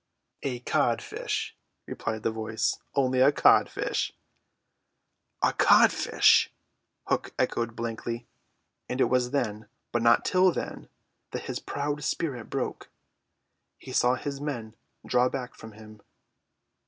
"A codfish," replied the voice, "only a codfish." "A codfish!" Hook echoed blankly, and it was then, but not till then, that his proud spirit broke. He saw his men draw back from him.